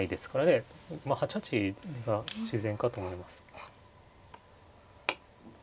８八が自然かと思います。